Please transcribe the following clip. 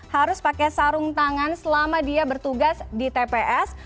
harus pakai sarung tangan selama dia bertugas di tps